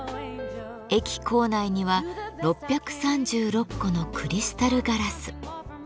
駅構内には６３６個のクリスタルガラス。